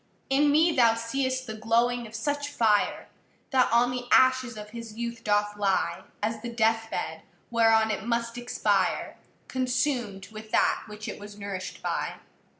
In me thou seeâst the glowing of such fire, That on the ashes of his youth doth lie, As the death bed, whereon it must expire, Consumâd with that which it was nourishâd by.